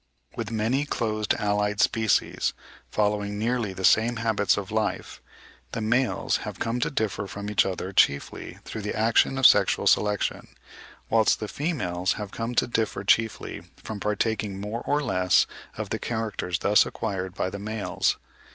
With many closely allied species, following nearly the same habits of life, the males have come to differ from each other chiefly through the action of sexual selection; whilst the females have come to differ chiefly from partaking more or less of the characters thus acquired by the males.